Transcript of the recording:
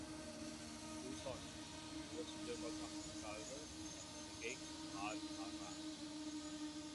우선 무엇이 되고자 하는가를 자신에게 말하라.